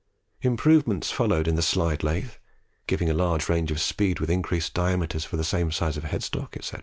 Improvements followed in the slide lathe (giving a large range of speed with increased diameters for the same size of headstocks, &c.)